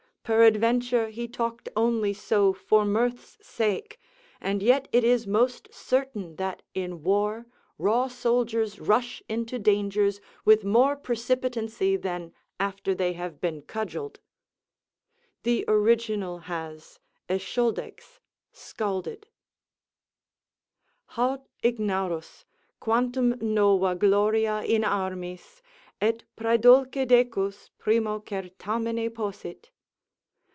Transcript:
Peradventure, he only talked so for mirth's sake; and yet it is most certain that in war raw soldiers rush into dangers with more precipitancy than after they have been cudgelled* (The original has eschauldex scalded) "Haud ignarus .... quantum nova gloria in armis, Et praedulce decus, primo certamine possit."